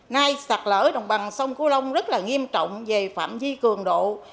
nay sạc lỡ đồng bằng sông cửu long rất là nghiêm trọng về phạm di cường độ